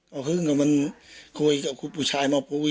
ก็ช็อกเลยทำอะไรไม่ถูก